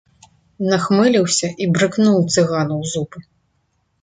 Нахмыліўся і брыкнуў цыгана ў зубы.